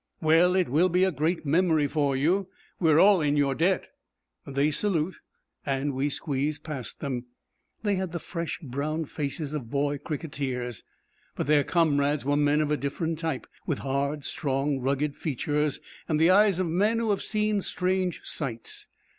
'Well, it will be a great memory for you. We are all in your debt.' They salute, and we squeeze past them. They had the fresh, brown faces of boy cricketers. But their comrades were men of a different type, with hard, strong, rugged features, and the eyes of men who have seen strange sights.